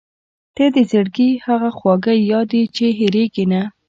• ته د زړګي هغه خواږه یاد یې چې هېرېږي نه.